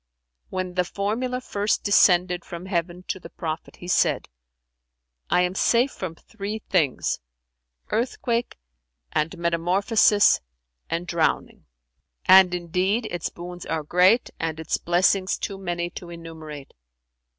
When the formula first descended from heaven to the Prophet, he said, 'I am safe from three things, earthquake and metamorphosis and drowning; and indeed its boons are great and its blessings too many to enumerate.